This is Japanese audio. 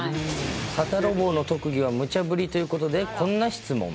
サタロボーの特技はむちゃぶりということで、こんな質問。